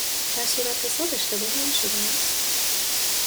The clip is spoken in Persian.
در صورتحساب اشتباهی نشده است؟